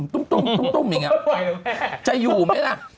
ตุ้มตุ้มตุ้มอย่างนี้จะอยู่ไหมล่ะ